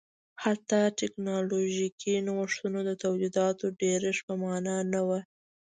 حتی ټکنالوژیکي نوښتونه د تولیداتو ډېرښت په معنا نه و